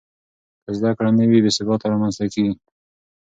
که زده کړه نه وي، بې ثباتي رامنځته کېږي.